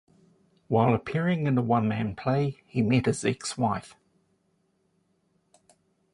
While appearing in a one-man play, he met his ex-wife.